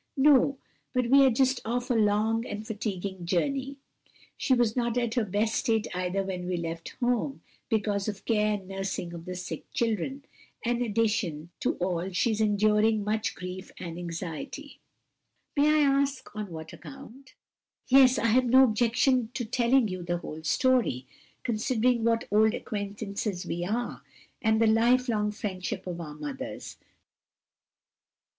"No; but we are just off a long and fatiguing journey; she was not at her best state either when we left home, because of care and nursing of the sick children. And in addition to all that she is enduring much grief and anxiety." "May I ask on what account?" "Yes; I have no objection to telling you the whole story, considering what old acquaintances we are, and the life long friendship of our mothers.